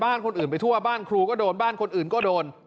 บ้านคนอื่นไปทั่วบ้านครูก็โดนบ้านคนอื่นก็โดน